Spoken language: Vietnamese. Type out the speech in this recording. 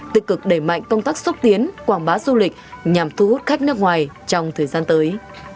tự cực đẩy mạnh công tác xúc tiến quảng bá du lịch nhằm thu hút khách nước ngoài trong thời gian tới